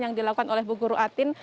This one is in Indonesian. yang dilakukan oleh bu guru atin